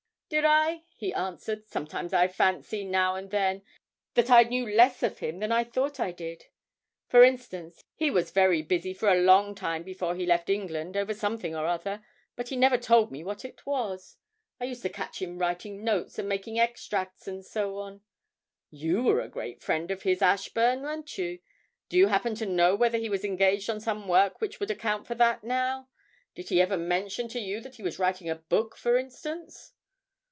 'Did I?' he answered, 'sometimes I fancy, now and then, that I knew less of him than I thought I did. For instance, he was very busy for a long time before he left England over something or other, but he never told me what it was. I used to catch him writing notes and making extracts and so on.... You were a great friend of his, Ashburn, weren't you? Do you happen to know whether he was engaged on some work which would account for that, now? Did he ever mention to you that he was writing a book, for instance?'